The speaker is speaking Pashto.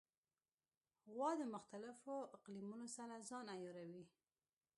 غوا د مختلفو اقلیمونو سره ځان عیاروي.